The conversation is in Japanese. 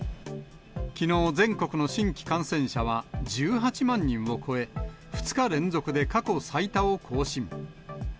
きのう、全国の新規感染者は１８万人を超え、２日連続で過去最多を更新。